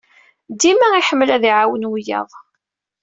Dima iḥemmel ad iɛawen wiyaḍ.